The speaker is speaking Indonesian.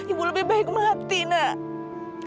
ibu lebih baik mati nak